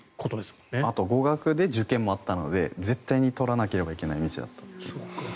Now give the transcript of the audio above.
あと、語学で受験もあったので絶対に通らなければいけない道だった。